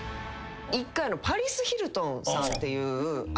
一回パリス・ヒルトンさんという。